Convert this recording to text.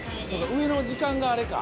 上の時間があれか。